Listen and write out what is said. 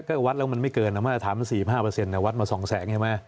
ก็วัดแล้วมันไม่เกินนะมาตรฐานมัน๔๕เนี่ยวัดมา๒แสงเห็นไหม